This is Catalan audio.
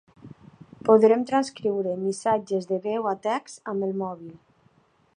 Podrem transcriure missatges de veu a text amb el mòbil.